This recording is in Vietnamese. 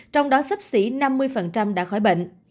trong đó sắp xỉ năm mươi đã khỏi bệnh